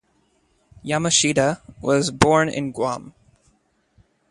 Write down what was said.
Yamashita was born in Guam.